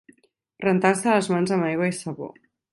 Rentar-se les mans amb aigua i sabó.